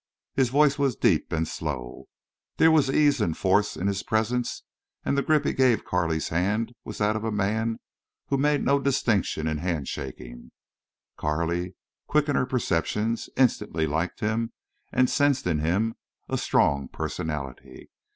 His voice was deep and slow. There were ease and force in his presence, and the grip he gave Carley's hand was that of a man who made no distinction in hand shaking. Carley, quick in her perceptions, instantly liked him and sensed in him a strong personality.